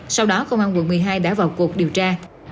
sau đó công an quận một mươi hai đã vào cuộc điều tra